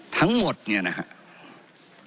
ทั้งหมดเนี่ยนะครับ